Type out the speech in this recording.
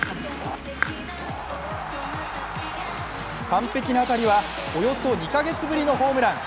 完璧な当たりはおよそ２か月ぶりのホームラン。